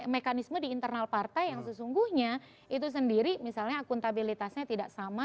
mekanisme di internal partai yang sesungguhnya itu sendiri misalnya akuntabilitasnya tidak sama